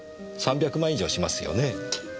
３００万以上しますよね？